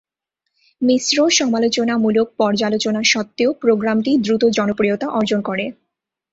মিশ্র সমালোচনামূলক পর্যালোচনা সত্ত্বেও প্রোগ্রামটি দ্রুত জনপ্রিয়তা অর্জন করে।